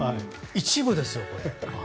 一部ですよ、これ。